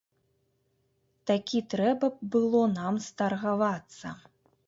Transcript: Такі трэба б было нам старгавацца.